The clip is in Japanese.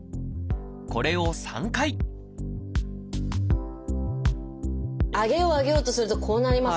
これを３回上げよう上げようとするとこうなりますからね。